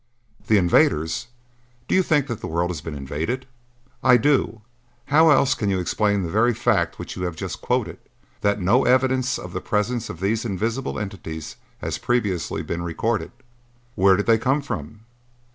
"The invaders? Do you think that the world has been invaded?" "I do. How else can you explain the very fact which you have just quoted, that no evidence of the presence on these invisible entities has previously been recorded?" "Where did they come from?"